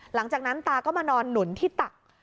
หลังจากนั้นตาก็มานอนหนุนที่ตัก